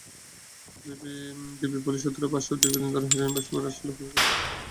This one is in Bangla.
ডিবি পুলিশ সূত্রের ভাষ্য, দীর্ঘদিন ধরে হেরোইনের ব্যবসা করে আসছিল হবি।